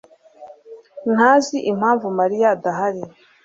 ntazi impamvu Mariya adahari.